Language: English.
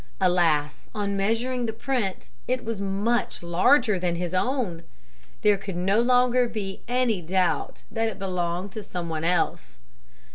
Alas, on measuring the print it was much larger than his own! There could no longer be any doubt that it belonged to someone else.